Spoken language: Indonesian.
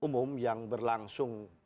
umum yang berlangsung